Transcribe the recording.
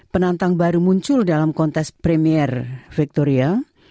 penantang baru muncul dalam kontes premier victorial